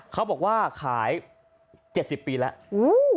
เขาบอกว่าขาย๗๐ปีแล้ว